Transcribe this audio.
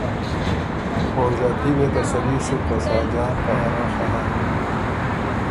او ݫاتي وې تسلي سُک که ساجان په اراخه هۀ